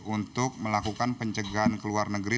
untuk melakukan pencegahan ke luar negeri